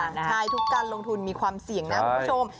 ใช่ทุกการลงทุนมีความเสี่ยงนะคุณผู้ชม